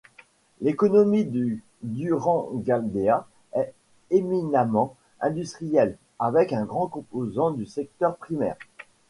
L'économie du Durangaldea est éminemment industrielle, avec un grand composant du secteur primaire.